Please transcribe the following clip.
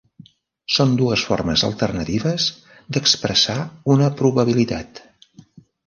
Són dues formes alternatives d'expressar una probabilitat.